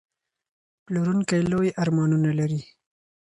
پلورونکی لوی ارمانونه لري.